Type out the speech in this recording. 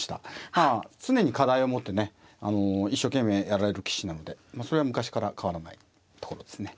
まあ常に課題を持ってね一生懸命やられる棋士なのでそれは昔から変わらないところですね。